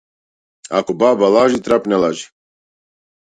Ако баба лажи, трап не лажи.